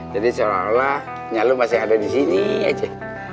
jadi seolah olah nya lo masih ada disini aja